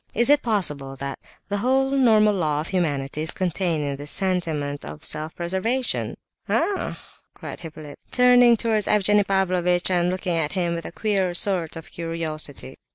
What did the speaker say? Is it possible that the whole normal law of humanity is contained in this sentiment of self preservation?" "Ah!" cried Hippolyte, turning towards Evgenie Pavlovitch, and looking at him with a queer sort of curiosity.